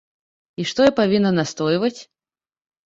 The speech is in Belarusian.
І што я павінна настойваць.